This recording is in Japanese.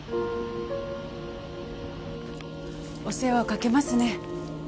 お世話をかけますね。